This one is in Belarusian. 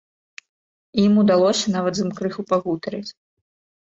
І ім удалося нават з ім крыху пагутарыць.